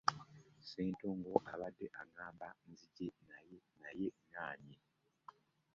Ssentongo abadde aŋŋamba nzije naye naye ŋŋaanyi.